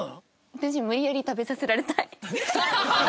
私無理やり食べさせられたい。